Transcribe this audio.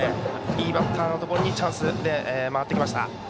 いいバッターのところにチャンスで回ってきました。